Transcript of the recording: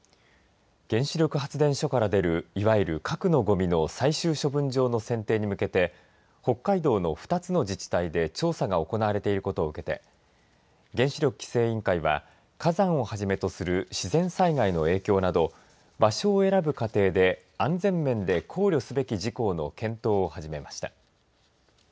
原子力発電所から出るいわゆる核のごみの最終処分場の選定に向けて北海道の２つの自治体で調査が行われていることを受けて原子力規制委員会は火山をはじめとする自然災害の影響など場所を選ぶ過程で安全面で考慮すべき事項の検討を始めました。